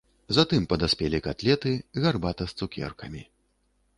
Затым падаспелі катлеты, гарбата з цукеркамі.